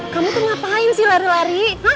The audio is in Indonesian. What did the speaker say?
kamu tuh ngapain sih lari lari